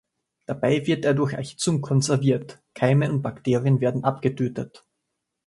Dabei wird er durch Erhitzung konserviert; Keime und Bakterien werden abgetötet.